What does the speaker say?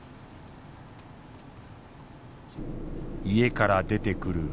家から出てくる